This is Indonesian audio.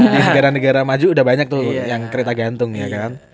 di negara negara maju udah banyak tuh yang kereta gantung ya kan